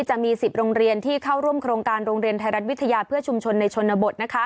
จะมี๑๐โรงเรียนที่เข้าร่วมโครงการโรงเรียนไทยรัฐวิทยาเพื่อชุมชนในชนบท